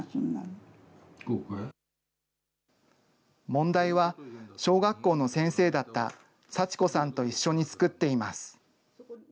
問題は小学校の先生だった祥子さんと一緒に作っています。